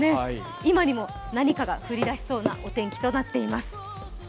今にも何かが降り出しそうなお天気となっています。